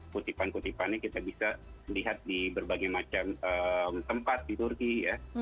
kutipan kutipannya kita bisa lihat di berbagai macam tempat di turki ya